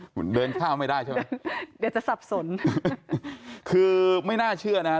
เหมือนเดินข้าวไม่ได้ใช่ไหมเดี๋ยวจะสับสนคือไม่น่าเชื่อนะฮะ